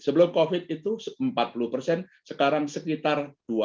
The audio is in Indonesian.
sebelum covid itu empat puluh persen sekarang sekitar dua